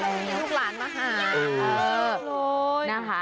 ที่ลูกหลานมาหา